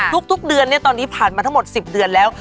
ทุกเดือนตอนนี้ผ่านมาทั้งหมด๑๐เดือนแล้ว